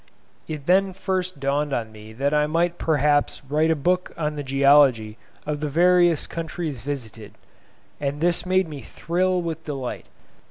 It then first dawned on me that I might perhaps write a book on the geology of the various countries visited, and this made me thrill with delight.